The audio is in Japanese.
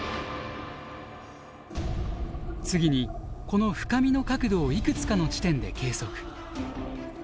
次にこの深みの角度をいくつかの地点で計測。